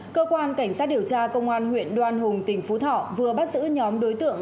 cơ quan cảnh sát điều tra công an huyện đoan hùng tỉnh phú thọ vừa bắt giữ nhóm đối tượng